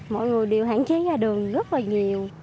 mọi người điều hãng chiến ra đường rất là nhiều